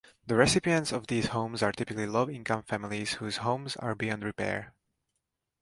The recipients of these homes are typically low-income families whose homes are beyond repair.